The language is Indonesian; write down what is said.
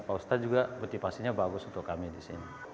pak ustadz juga motivasinya bagus untuk kami di sini